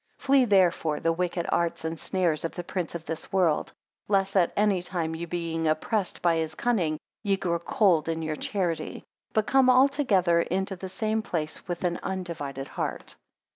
8 Flee therefore the wicked arts and snares of the prince of this world; lest at any time being oppressed by his cunning, ye grow cold in your charity. But come altogether into the same place, with an undivided heart.